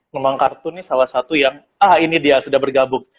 memang kartu ini salah satu yang ah ini dia sudah bergabung